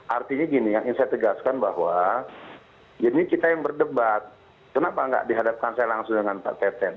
artinya gini yang ingin saya tegaskan bahwa ini kita yang berdebat kenapa nggak dihadapkan saya langsung dengan pak teten